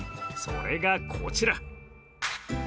それがこちら！